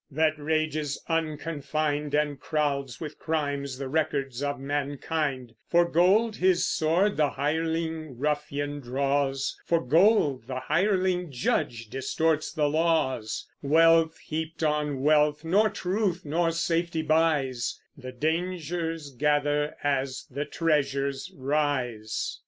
that rages unconfined, And crowds with crimes the records of mankind; For gold his sword the hireling ruffian draws, For gold the hireling judge distorts the laws; Wealth heaped on wealth nor truth nor safety buys; The dangers gather as the treasures rise.